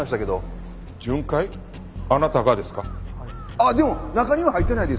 あっでも中には入ってないですよ。